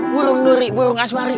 burung nuri burung aswari